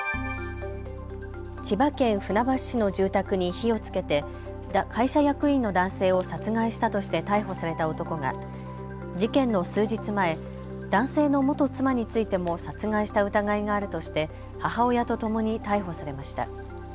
千葉県船橋市の住宅に火をつけて会社役員の男性を殺害したとして逮捕された男が事件の数日前、男性の元妻についても殺害した疑いがあるとして母親とともに逮捕されました。